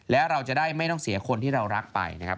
แล้วเราจะได้ไม่ต้องเสียคนที่เรารักไปนะครับ